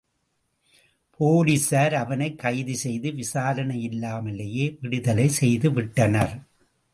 போலிஸார் அவனைக் கைது செய்து விசாரணையில்லாமலேயே விடுதலை செய்து விட்டனர்.